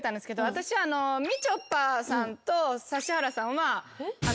私みちょぱさんと指原さんは。